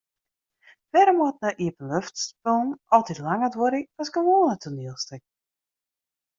Wêrom moatte iepenloftspullen altyd langer duorje as gewoane toanielstikken?